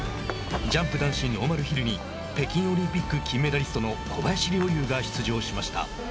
ジャンプ男子ノーマルヒルに北京オリンピック金メダリストの小林陵侑が出場しました。